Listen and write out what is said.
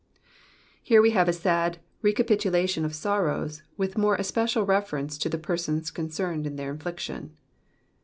Here we have a sad recapitulation of sorrows, with more especial reference to the persons concerned in their infliction.